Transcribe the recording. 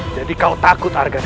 jadi kau takut argadana